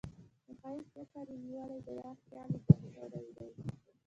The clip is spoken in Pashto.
د ښــــــــایست ذکر یې نیولی د یار خیال یې دم ګړی دی